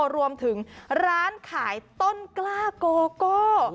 รวมถึงร้านขายต้นกล้าโกโก้